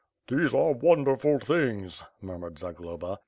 "These are wonderful things," murmured Zagloba.